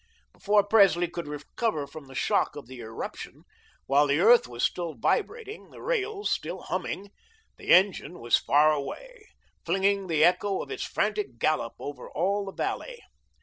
Before Presley could recover from the shock of the irruption, while the earth was still vibrating, the rails still humming, the engine was far away, flinging the echo of its frantic gallop over all the valley.